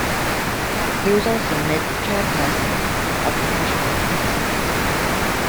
He was also made the chairperson of the Kashmir Committee.